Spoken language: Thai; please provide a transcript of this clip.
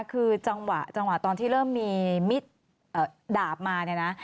คือจังหวะที่มีมิดดาบมาเนี่ยนะ